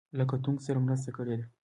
له کتونکو سره مرسته کړې ده.